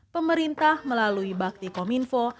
pemerintah melalui bakti com info